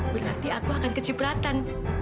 berarti aku akan kecibratan